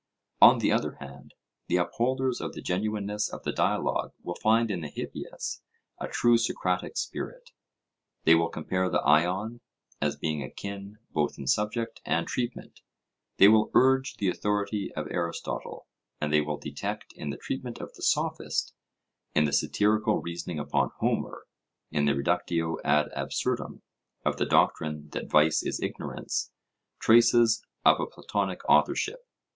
On the other hand, the upholders of the genuineness of the dialogue will find in the Hippias a true Socratic spirit; they will compare the Ion as being akin both in subject and treatment; they will urge the authority of Aristotle; and they will detect in the treatment of the Sophist, in the satirical reasoning upon Homer, in the reductio ad absurdum of the doctrine that vice is ignorance, traces of a Platonic authorship.